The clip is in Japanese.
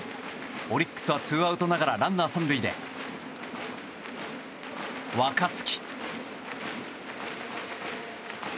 オリックスはツーアウトながらランナー３塁で若月。